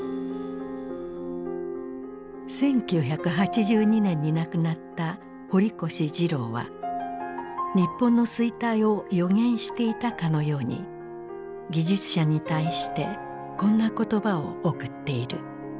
１９８２年に亡くなった堀越二郎は日本の衰退を予言していたかのように技術者に対してこんな言葉を贈っている。